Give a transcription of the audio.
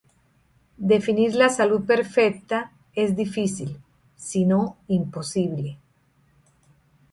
Definir la salud perfecta es difícil, si no imposible.